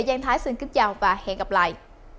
giang thái xin kính chào và hẹn gặp lại